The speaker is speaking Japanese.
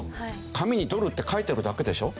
紙にドルって書いてあるだけでしょう。